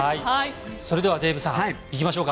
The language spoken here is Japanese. それでは、デーブさんいきましょうか。